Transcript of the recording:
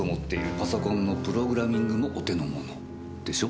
パソコンのプログラミングもお手の物でしょう？